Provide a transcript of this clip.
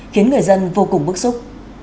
khiến người dân vô cùng bức xúc